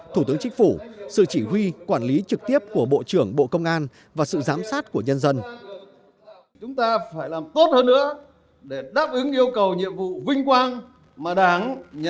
thủ tướng chính phủ sự chỉ huy quản lý trực tiếp của bộ trưởng bộ công an và sự giám sát của nhân dân